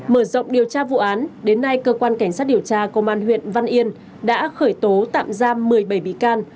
mở rộng điều tra vụ án đến nay cơ quan cảnh sát điều tra công an huyện văn yên đã khởi tố tạm giam một mươi bảy bị can